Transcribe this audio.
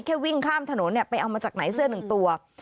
วิ่งข้ามถนนไปเอามาจากไหนเสื้อหนึ่งตัว